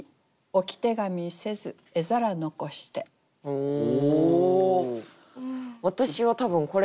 おお！